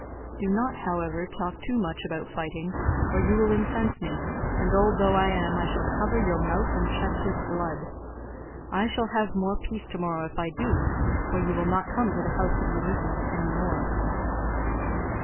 Do not, however, talk too much about fighting or you will incense me, and old though I am, I shall cover your mouth and chest with blood. I shall have more peace tomorrow if I do, for you will not come to the house of Ulysses any more."